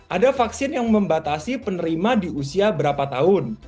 ada vaksin yang membatasi penerima di usia berapa tahun